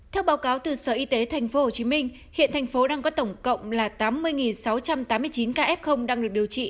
theo báo cáo từ sở y tế tp hcm hiện thành phố đang có tổng cộng là tám mươi sáu trăm tám mươi chín ca f đang được điều trị